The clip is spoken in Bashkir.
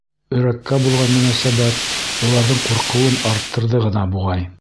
Өрәккә булған мөнәсәбәт уларҙың ҡурҡыуын арттырҙы ғына, буғай.